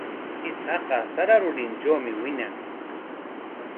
Shitqaqa sara rurintrawmi wiñan.